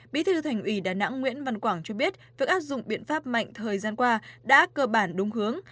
bí thư thành ủy đà nẵng nguyễn văn quảng cho biết việc áp dụng biện pháp mạnh thời gian qua đã cơ bản đúng hướng